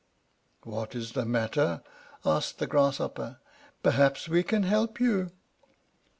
"What is the matter?" asked the Grasshopper. "Perhaps we can help you."